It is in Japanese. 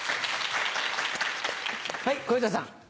はい小遊三さん。